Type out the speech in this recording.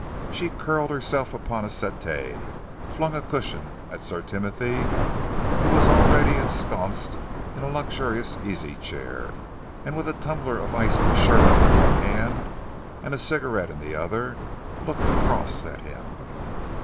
She curled herself up on a settee, flung a cushion at Sir Timothy, who was already ensconced in a luxurious easy chair, and with a tumbler of iced sherbet in one hand, and a cigarette in the other, looked across at him.